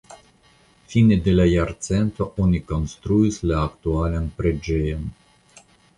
Fine de la jarcento oni konstruis la aktualan preĝejon.